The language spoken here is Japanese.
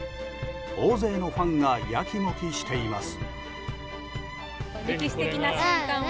大勢のファンがやきもきしています。